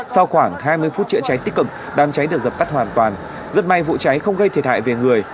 sau khoảng hai mươi phút chữa cháy tích cực đám cháy được dập tắt hoàn toàn rất may vụ cháy không gây thiệt hại về người